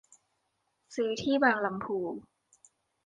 ซื้อที่บางลำภู